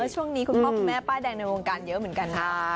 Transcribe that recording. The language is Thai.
ช่วงนี้คุณพ่อคุณแม่ป้ายแดงในวงการเยอะเหมือนกันนะ